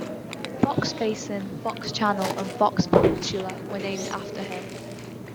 Foxe Basin, Foxe Channel and Foxe Peninsula were named after him.